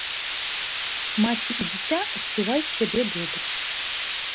Маці і дзіця адчуваюць сябе добра.